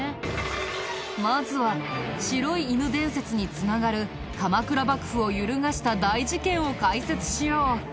まずは白い犬伝説に繋がる鎌倉幕府を揺るがした大事件を解説しよう。